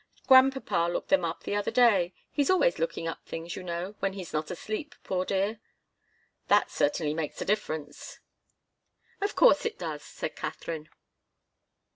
"Grandpapa looked them up the other day. He's always looking up things, you know when he's not asleep, poor dear!" "That certainly makes a difference." "Of course it does," said Katharine.